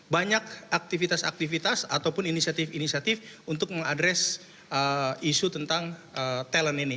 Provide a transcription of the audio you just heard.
banyak aktivitas aktivitas ataupun inisiatif inisiatif untuk mengadres isu tentang talent ini